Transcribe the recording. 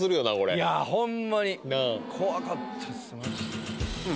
いやホンマに怖かったっす